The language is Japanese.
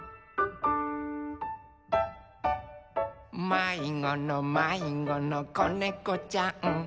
・「まいごのまいごのこねこちゃん」